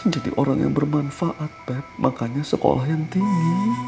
jadi orang yang bermanfaat pep makanya sekolah yang tinggi